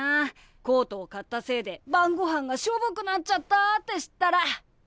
コートを買ったせいで晩ごはんがしょぼくなっちゃったって知ったら。